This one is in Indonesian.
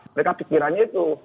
mereka pikirannya itu